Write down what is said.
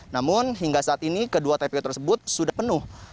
namun hingga saat ini kedua tpu tersebut sudah penuh